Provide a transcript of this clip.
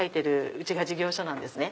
うちが事業所なんですね。